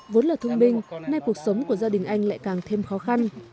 vốn là thương binh nay cuộc sống của gia đình anh lại càng thêm khó khăn